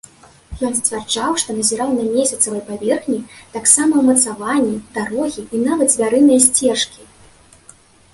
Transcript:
Ён сцвярджаў, што назіраў на месяцавай паверхні таксама ўмацаванні, дарогі і нават звярыныя сцежкі.